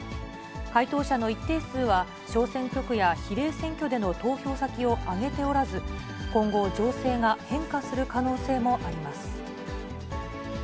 回答者の一定数は、小選挙区や比例選挙での投票先を挙げておらず、今後、情勢が変化する可能性もあります。